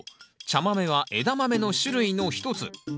茶豆はエダマメの種類の一つ。